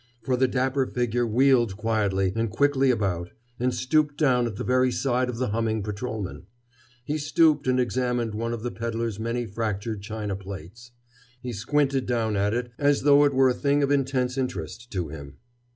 For the dapper figure wheeled quietly and quickly about and stooped down at the very side of the humming patrolman. He stooped and examined one of the peddler's many fractured china plates. He squinted down at it as though it were a thing of intense interest to him.